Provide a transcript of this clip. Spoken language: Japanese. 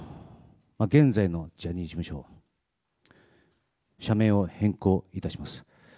現在のジャニーズ事務所の社名を変更いたします。